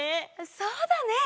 そうだね。